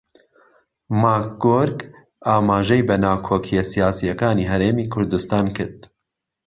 ماکگۆرک ئاماژەی بە ناکۆکییە سیاسییەکانی هەرێمی کوردستان کرد